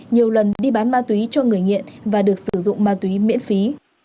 nhiều lần đi bán ma túy cho người nghiện và được sử dụng ma túy miễn phí